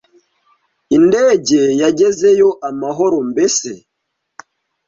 Indege yagezeyo amahoro mbese?